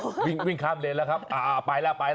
อ่าวิ่งเปียกลุ่มนะครับอ่าวิ่งข้ามเล้นครับ